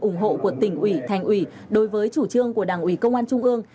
ủng hộ của tỉnh ủy thành ủy đối với chủ trương của đảng ủy công an trung ương